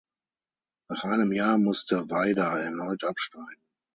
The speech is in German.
Nach einem Jahr musste Weida erneut absteigen.